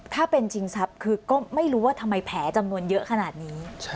ถ้าเป็นชิงทรัพย์คือก็ไม่รู้ว่าทำไมแผลจำนวนเยอะขนาดนี้